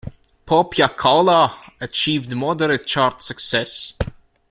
"Pop Ya Collar" achieved moderate chart success.